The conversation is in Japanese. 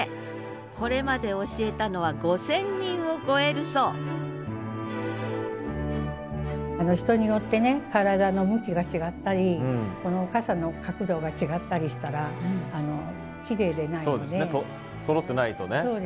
これまで教えたのは５０００人を超えるそう人によってね体の向きが違ったり傘の角度が違ったりしたらきれいでないので。